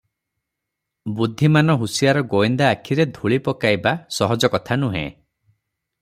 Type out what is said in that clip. ବୁଦ୍ଧିମାନ ହୁସିଆର ଗୋଏନ୍ଦା ଆଖିରେ ଧୂଳି ପକାଇବା ସହଜକଥା ନୁହେଁ ।